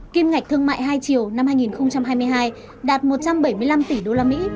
kim ngạch thương mại hai triệu năm hai nghìn hai mươi hai đạt một trăm bảy mươi năm tỷ usd